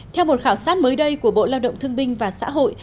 theo một khảo sát mới đây của bộ lao động thương binh và xã hội